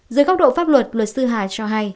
dưới góc độ pháp luật luật sư hà cho hay